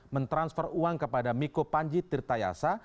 mentransfer uang kepada miko panji tirta yasa